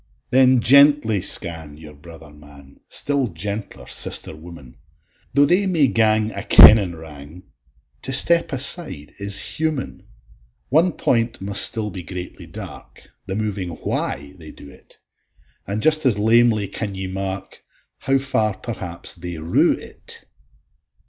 Then gently scan your brother man, Still gentler sister woman; Tho' they may gang a kennin wrang, To step aside is human: One point must still be greatly dark, The moving Why they do it; And just as lamely can ye mark, How far perhaps they rue it.